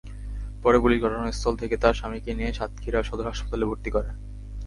পরে পুলিশ ঘটনাস্থল থেকে তাঁর স্বামীকে নিয়ে সাতক্ষীরা সদর হাসপাতালে ভর্তি করে।